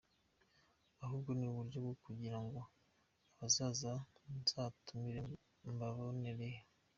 Ahubwo ni uburyo bwo kugira ngo abazaza nzatumira mbabonereyo.